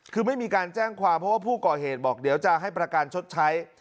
คือไม่มีการแจ้งความเพราะว่าผู้ก่อเหตุบอกเดี๋ยวจะให้ประกันชดใช้